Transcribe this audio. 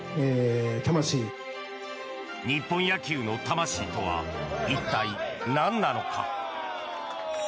日本野球の魂とは一体、何なのか。